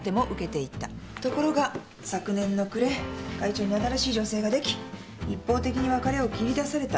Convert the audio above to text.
ところが昨年の暮れ会長に新しい女性ができ一方的に別れを切り出された。